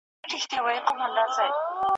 سوسیالستي نړۍ پر بنسټ ولاړه ده.